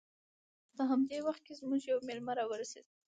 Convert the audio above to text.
په همدې وخت کې زموږ یو میلمه راورسید